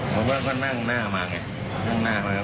เราก็นั่งหน้ามายังงี้